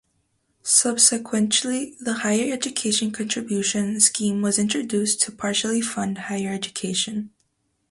Subsequently the Higher Education Contribution Scheme was introduced to partially fund higher education.